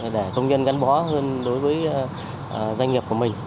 để công nhân gắn bó hơn đối với doanh nghiệp của mình